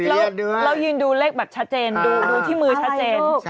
แล้วยืนดูเลขแบบชัดเจนดูที่มือชัดเจน